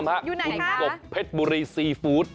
อยู่ไหนค่ะคุณกบเพชรบุรีซีฟู้ด